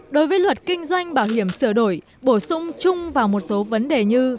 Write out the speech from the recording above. đối với luật kinh doanh bảo hiểm sửa đổi bổ sung chung vào một số vấn đề như